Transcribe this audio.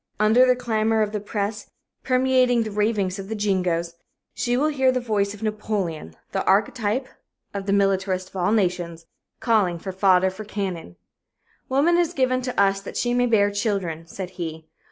Under the clamor of the press, permeating the ravings of the jingoes, she will hear the voice of Napoleon, the archtype of the militarists of all nations, calling for "fodder for cannon." "Woman is given to us that she may bear children," said he.